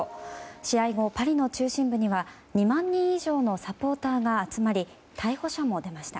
試合後、パリの中心部には２万人以上のサポーターが集まり逮捕者も出ました。